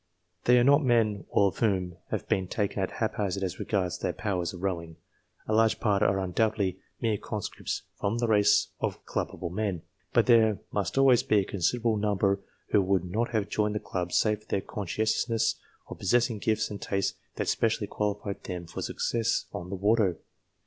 They are not men, all of whom have been taken at hap hazard as regards their powers of rowing. A large part are undoubtedly mere conscripts from the race of clubable men, but there must always be a considerable number who would not have joined the club save for their con sciousness of possessing gifts and tastes that specially qualified them for success on the water.